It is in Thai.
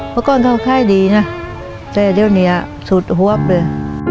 พ่อก่อนท่อค่ายดีนะแต่เดี๋ยวนี้สุดหวับเลย